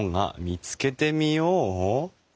見つけてみよう！」？